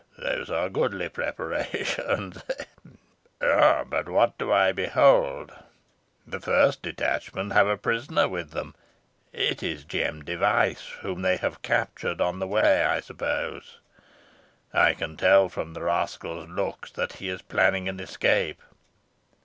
These are goodly preparations ha! ha! But, what do I behold? The first detachment have a prisoner with them. It is Jem Device, whom they have captured on the way, I suppose. I can tell from the rascal's looks that he is planning an escape.